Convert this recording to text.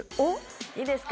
いいですか？